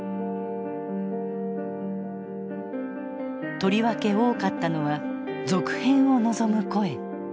とりわけ多かったのは続編を望む声。